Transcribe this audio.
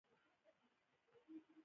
• مطالعه انسان ته بصیرت ورکوي.